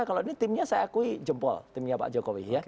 kalau ini timnya saya akui jempol timnya pak jokowi ya